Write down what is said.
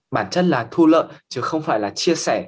bản chất là thu lợi chứ không phải là chia sẻ